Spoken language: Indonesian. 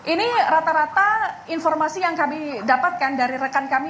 ini rata rata informasi yang kami dapatkan dari rekan kami